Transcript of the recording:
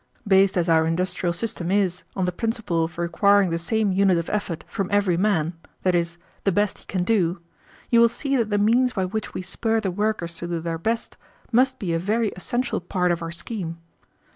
Based as our industrial system is on the principle of requiring the same unit of effort from every man, that is, the best he can do, you will see that the means by which we spur the workers to do their best must be a very essential part of our scheme.